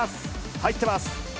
入ってます。